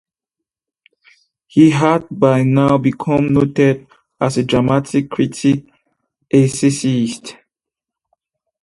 He had by now become noted as a drama critic and essayist.